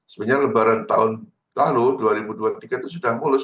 sebenarnya lebaran tahun lalu dua ribu dua puluh tiga itu sudah mulus